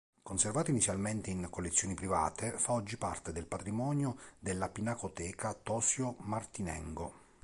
Conservato inizialmente in collezioni private, fa oggi parte del patrimonio della Pinacoteca Tosio Martinengo.